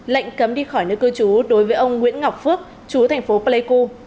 lệnh cấm đi khỏi nước cư chú đối với ông nguyễn ngọc phước chú thành phố pleiku